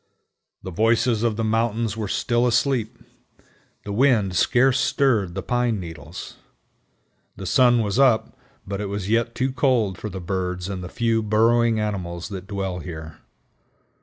The voices of the mountains were still asleep. The wind scarce stirred the pine needles. The sun was up, but it was yet too cold for the birds and the few burrowing animals that dwell here.